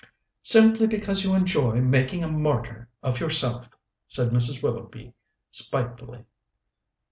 "Simply because you enjoy making a martyr of yourself!" said Mrs. Willoughby spitefully.